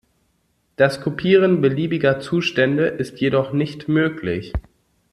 Das Kopieren beliebiger Zustände ist jedoch nicht möglich.